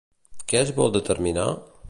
Què es vol determinar?